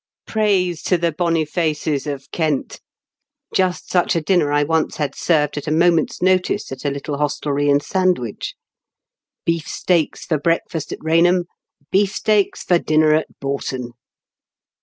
Praise to the Bonifaces of Kent ! Just such a dinner I once had served at a moment's notice, at a little hostelry in Sand wich. Beef steaks for breakfast at Eainham, beef steaks for dinner at Boughton